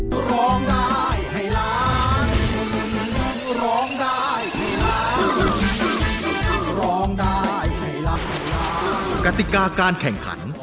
ผู้เข้าแข่งขันจะต้องร้องเพลงให้ถูกต้องทุกคำในแต่ละเพลง